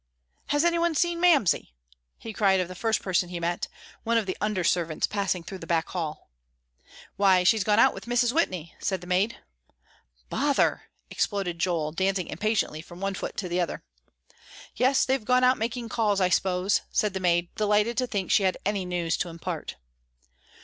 "Has any one seen Mamsie?" he cried of the first person he met, one of the under servants passing through the back hall. "Why, she's gone out with Mrs. Whitney," said the maid. "Bother!" exploded Joel, dancing impatiently from one foot to the other. "Yes, they've gone out making calls, I s'pose," said the maid, delighted to think she had any news to impart.